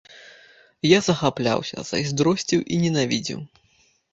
Я захапляўся, зайздросціў і ненавідзеў.